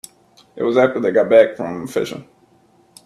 It was after they got back from fishing.